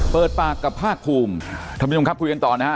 เปิดปากกับภาคภูมิท่านผู้ชมครับคุยกันต่อนะฮะ